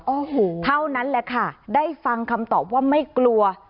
โอ้โหเท่านั้นแหละค่ะได้ฟังคำตอบว่าไม่กลัว